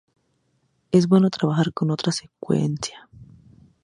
Es bueno trabajar con otra secuencia.